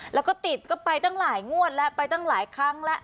แล้วก็ติดก็ไปตั้งหลายงวดแล้วไปตั้งหลายครั้งแล้ว